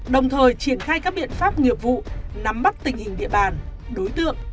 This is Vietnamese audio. đồng thời triển khai các biện pháp nghiệp vụ nắm bắt tình hình địa bàn đối tượng